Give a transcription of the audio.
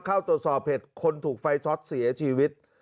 เข้าตรวจสอบเหตุคนถูกไฟช็อตเสียชีวิต